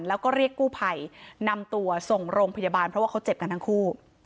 แล้วก็เรียกกู้ภัยนำตัวส่งโรงพยาบาลเพราะว่าเขาเจ็บกันทั้งคู่